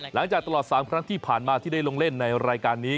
หลังจากตลอด๓ครั้งที่ผ่านมาที่ได้ลงเล่นในรายการนี้